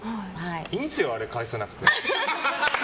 いいんすよ、あれ返さなくて。